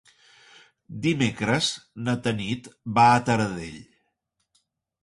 Dimecres na Tanit va a Taradell.